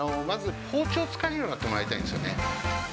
まず、包丁を使えるようになってもらいたいんですよね。